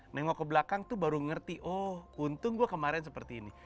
nengok ke belakang tuh baru ngerti oh untung gue kemarin seperti ini